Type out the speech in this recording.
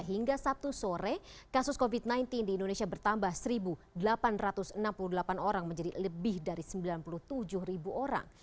hingga sabtu sore kasus covid sembilan belas di indonesia bertambah satu delapan ratus enam puluh delapan orang menjadi lebih dari sembilan puluh tujuh orang